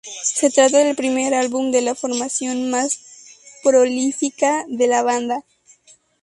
Se trata del primer álbum de la formación más prolífica de la banda.